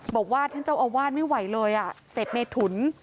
บอกว่าท่านเจ้าอาวาสไม่ไหวเลยอ่ะเสพเมถุน